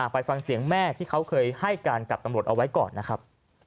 ไปฟังเสียงแม่ที่เขาเคยให้การกับตำรวจเอาไว้ก่อนนะครับ